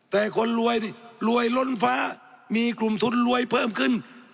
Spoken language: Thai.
แต่คนรวยนี่รวยล้นฟ้ามีกลุ่มทุนรวยเพิ่มขึ้น